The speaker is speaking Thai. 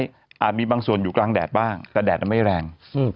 จำเป็นบางส่วนอยู่กลางแดดบ้างแต่แดดมันไม่แรง